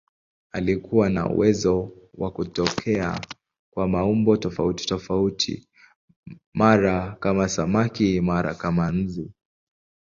Alikuwa na uwezo wa kutokea kwa maumbo tofautitofauti, mara kama samaki, mara kama nzi.